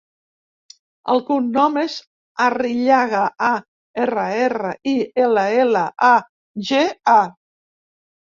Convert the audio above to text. El cognom és Arrillaga: a, erra, erra, i, ela, ela, a, ge, a.